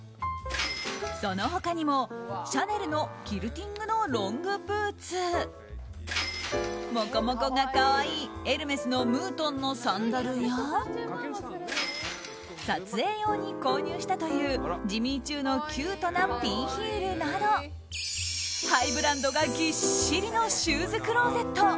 その他にも、シャネルのキルティングのロングブーツもこもこが可愛いエルメスのムートンのサンダルや撮影用に購入したというジミーチュウのキュートなピンヒールなどハイブランドがぎっしりのシューズクローゼット。